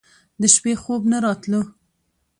د شپې خوب نه راتلو.